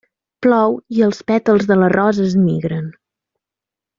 Plou i els pètals de la rosa es migren.